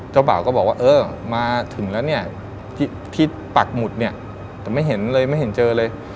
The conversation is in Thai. บ่าวก็บอกว่าเออมาถึงแล้วเนี่ยที่ปักหมุดเนี่ยแต่ไม่เห็นเลยไม่เห็นเจอเลย